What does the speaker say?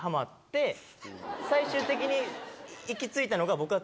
最終的に行き着いたのが僕は。